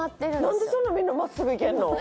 何でそんなんみんな真っすぐいけんの？